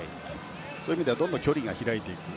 そういう意味ではどんどん距離が開いていく。